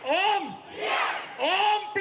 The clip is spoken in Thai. โอ้มเปลี่ยง